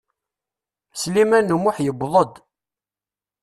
Sliman U Muḥ yewweḍ-d.